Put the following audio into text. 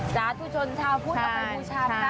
สาธุชนชาวพุทธเอาไปบูชานะ